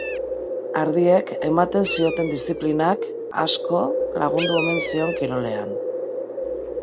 Ardiek ematen zioten disziplinak asko lagundu omen zion kirolean.